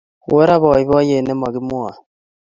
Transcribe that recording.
Oo ra poipoiyet ne mokimwoye.